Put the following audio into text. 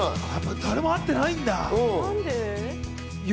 誰も会ってないんだ。